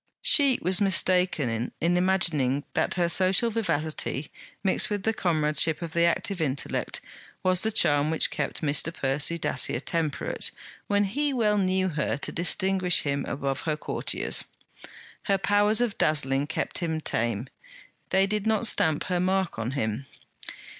She was mistaken in imagining that her social vivacity, mixed with comradeship of the active intellect, was the charm which kept Mr. Percy Dacier temperate when he well knew her to distinguish him above her courtiers. Her powers of dazzling kept him tame; they did not stamp her mark on him.